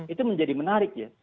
itu menjadi menarik ya